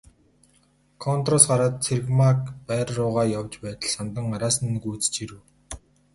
Контороос гараад Цэрэгмааг байр руугаа явж байтал Самдан араас нь гүйцэж ирэв.